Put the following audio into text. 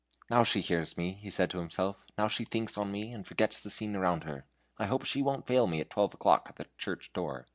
"Now she hears me," he said to himself; "now she thinks on me, and forgets the scene around her. I hope she won't fail me at twelve o'clock at the church door."